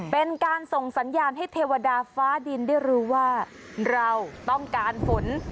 เป็นการส่งสัญญาณให้เทวดาฟ้าดินได้รู้ว่าเราต้องการฝน